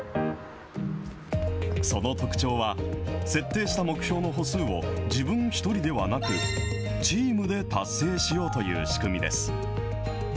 その特徴は、設定した目標の歩数を自分一人ではなく、チームで達成しようという仕組みです。